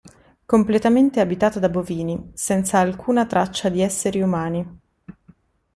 Completamente abitata da bovini, senza alcuna traccia di esseri umani.